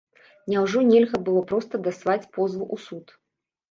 Няўжо нельга было проста даслаць позву ў суд?